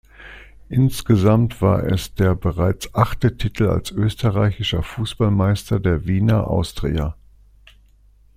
Insgesamt war es der bereits achte Titel als Österreichischer Fußballmeister der Wiener Austria.